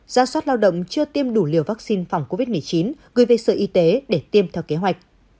gia soát lao động chưa tiêm đủ liều vaccine phòng covid một mươi chín gửi về sở y tế để tiêm theo kế hoạch